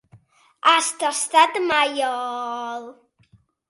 Has tastat mai el...?